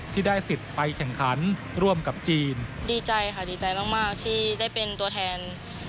ที่ได้สิทธิ์ไปแข่งขันร่วมกับจีน